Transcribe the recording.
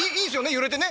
揺れてね？